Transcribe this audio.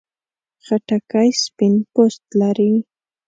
خټکی سپین پوست لري.